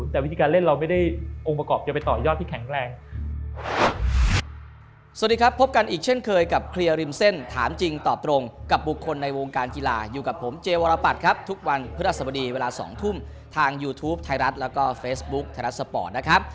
แต่วิธีการเล่นเราไม่ได้องค์ประกอบจะไปต่อยอดที่แข็งแรง